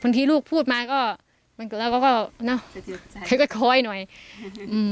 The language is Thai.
บางทีลูกพูดมาก็มันก็แล้วก็น่ะใครก็คอยหน่อยอืม